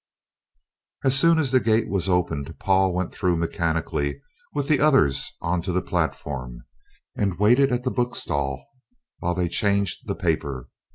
As soon as the gate was opened, Paul went through mechanically with the others on to the platform, and waited at the bookstall while they changed the paper.